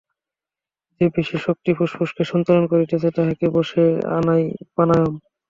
যে পেশী-শক্তি ফুসফুসকে সঞ্চালন করিতেছে, তাহাকে বশে আনাই প্রাণায়াম।